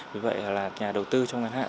vì vậy là nhà đầu tư trong ngắn hạn